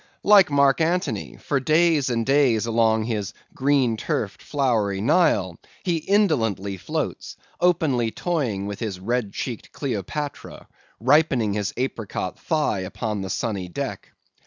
Like Mark Antony, for days and days along his green turfed, flowery Nile, he indolently floats, openly toying with his red cheeked Cleopatra, ripening his apricot thigh upon the sunny deck.